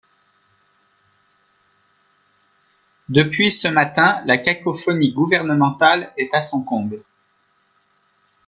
Depuis ce matin, la cacophonie gouvernementale est à son comble.